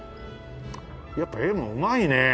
やっぱ絵もうまいねえ。